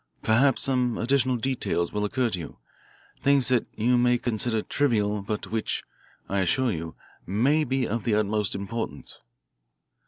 Perhaps some additional details will occur to you, things that you may consider trivial, but which, I assure you, may be of the utmost importance."